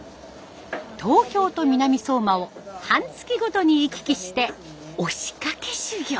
東京と南相馬を半月ごとに行き来して押しかけ修業。